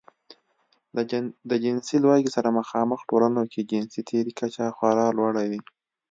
د جنسي لوږې سره مخامخ ټولنو کې د جنسي تېري کچه خورا لوړه وي.